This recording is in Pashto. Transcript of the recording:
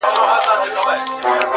دا پر سپین کتاب لیکلی سپین عنوان ته,